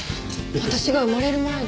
私が生まれる前だ。